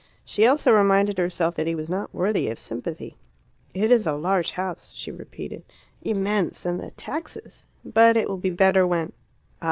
She also reminded herself that he was not worthy of sympathy. "It is a large house," she repeated. "Immense; and the taxes! But it will be better when Ah!